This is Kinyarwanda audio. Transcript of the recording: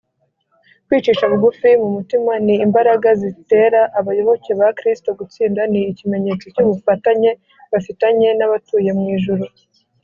kwicisha bugufi mu mutima ni imbaraga zitera abayoboke ba kristo gutsinda; ni ikimenyetso cy’ubufatanye bafitanye n’abatuye mu ijuru